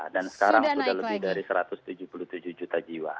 dan sekarang sudah lebih dari satu ratus tujuh puluh tujuh juta jiwa